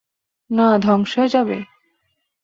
না ধ্বংস হয়ে যাবে?